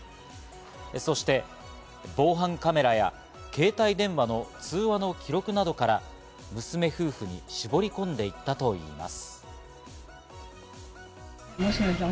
そして防犯カメラや携帯電話の通話の記録などから、娘夫婦に絞り込んでいったといいます。